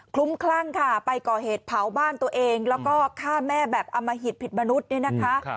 ลุ้มคลั่งค่ะไปก่อเหตุเผาบ้านตัวเองแล้วก็ฆ่าแม่แบบอมหิตผิดมนุษย์เนี่ยนะคะ